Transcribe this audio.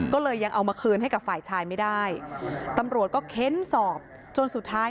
ก็เลยยังเอามาคืนให้กับฝ่ายชายไม่ได้ตำรวจก็เค้นสอบจนสุดท้าย